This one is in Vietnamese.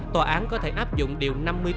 tòa án có thể áp dụng điều năm mươi bốn